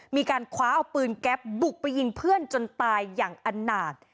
มีการคว้าเอาปืนแก๊ปบุกไปยิงเพื่อนจนตายอย่างอันหนาด